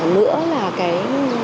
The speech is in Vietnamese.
nữa là cái